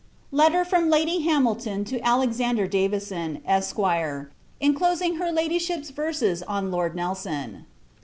Letter from Lady Hamilton TO ALEXANDER DAVISON, ESQ. INCLOSING Her Ladyship's Verses on Lord Nelson.